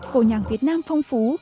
cộng nhạc việt nam phong phú